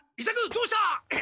どうした！？